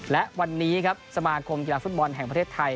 และวันนี้ครับสมาคมกีฬาฟุตบอลแห่งประเทศไทย